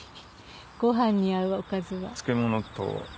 ご飯に合うおかずは。